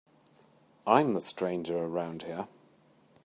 I'm the stranger around here.